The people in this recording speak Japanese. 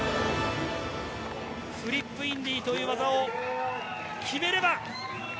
フリップインディという技を決めれば。